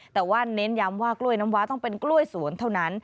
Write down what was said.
แต่ว่าเน้นย้ำว่ากล้วยน้ำว้าต้องเป็นกล้วยสวนเท่านั้น